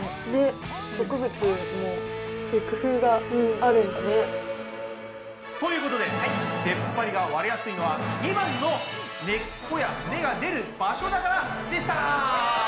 賢いね！ということででっぱりが割れやすいのは２番の「根っこや芽が出る場所だから」でした。